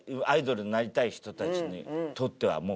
アイドルになりたい人たちにとっては。